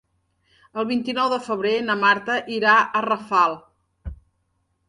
El vint-i-nou de febrer na Marta irà a Rafal.